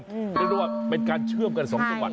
เรียกได้ว่าเป็นการเชื่อมกันสองจังหวัด